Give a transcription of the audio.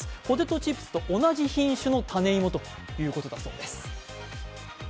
ポテトチップスと同じ品種の種芋ということだそうです。